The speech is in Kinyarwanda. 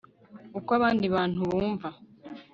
uko abandi bantu bumva